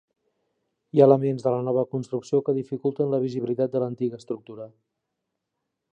Hi ha altres elements de nova construcció que dificulten la visibilitat de l'antiga estructura.